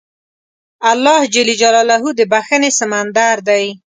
الله د بښنې سمندر دی.